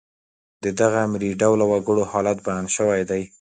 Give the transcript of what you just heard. د دغو مري ډوله وګړو حالت بیان شوی دی.